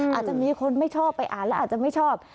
อาจจะมีคนไม่ชอบไปอ่านแล้วอาจจะไม่ชอบ